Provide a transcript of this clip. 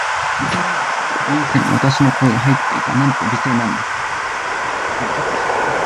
全部の収録音声に、私の声が入っていた。なんて美声なんだ。